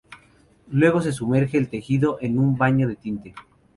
Luego se sumerge el tejido en un baño de tinte.